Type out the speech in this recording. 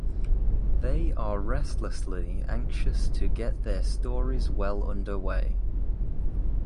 They are restlessly anxious to get their stories well under way.